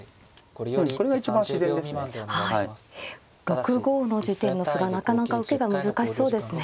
６五の地点の歩がなかなか受けが難しそうですね。